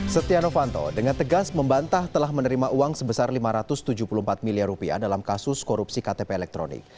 setia novanto dengan tegas membantah telah menerima uang sebesar lima ratus tujuh puluh empat miliar rupiah dalam kasus korupsi ktp elektronik